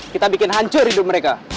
kita bikin hancur hidup mereka